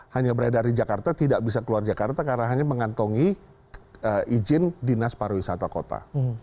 hanya beredar di jakarta tidak bisa keluar jakarta karena hanya mengantongi izin dinas pariwisata kota